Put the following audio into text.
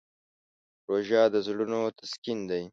روژه د زړونو تسکین دی.